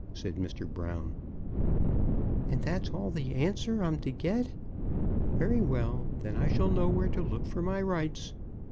said Mr. Brown. "And that's all the answer I'm to get? Very well. Then I shall know where to look for my rights.